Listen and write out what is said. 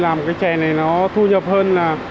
làm cái chè này nó thu nhập hơn là